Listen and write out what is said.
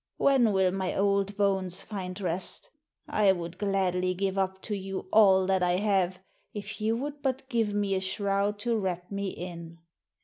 When will my old bones find rest? I would gladly give up to you all that I have if you would but give me a shroud to wrap me in.'